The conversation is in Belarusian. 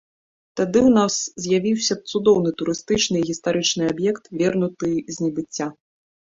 Тады ў нас з'явіўся б цудоўны турыстычны і гістарычны аб'ект, вернуты з небыцця.